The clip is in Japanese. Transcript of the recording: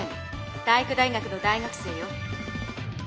体育大学の大学生よ。